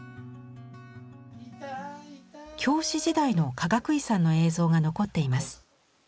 教師時代のかがくいさんの映像が残っています。